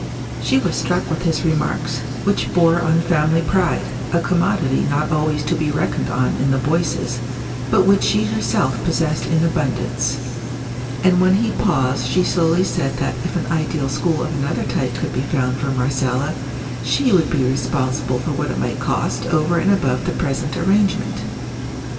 She was struck with his remarks, which bore on family pride, a commodity not always to be reckoned on in the Boyces, but which she herself possessed in abundance; and when he paused she slowly said that if an ideal school of another type could be found for Marcella, she would be responsible for what it might cost over and above the present arrangement.